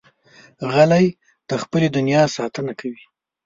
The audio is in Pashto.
غلی، د خپلې دنیا ساتنه کوي.